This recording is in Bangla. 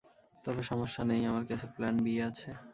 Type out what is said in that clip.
তবে সমস্যা নেই, আমার কাছে প্লান বি আছে!